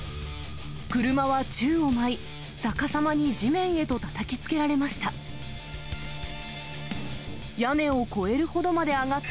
車は宙を舞い、逆さまに地面へとたたきつけられました。